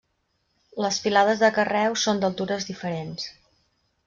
Les filades de carreus són d'altures diferents.